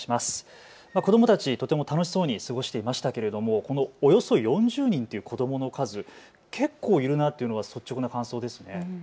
子どもたち、楽しそうに過ごしていましたけども、このおよそ４０人という子どもの数、結構いるなというのが率直な感想ですね。